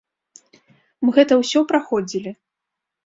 Мы гэта ўсё праходзілі.